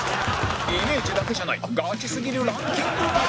イメージだけじゃないガチすぎるランキングが！